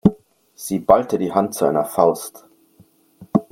Sie ballte die Hand zu einer Faust.